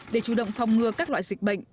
để chủ động phòng ngừa các loại dịch bệnh